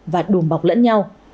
và đùm bọc lẫn nhau